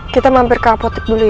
kita mampir ke apotip dulu ya